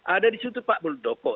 ada di situ pak muldoko